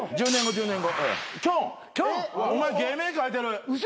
１０年後。